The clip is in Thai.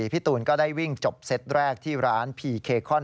พี่ตูนก็ได้วิ่งจบเซตแรกที่ร้านพีเคคอน